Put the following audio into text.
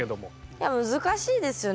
いや難しいですよね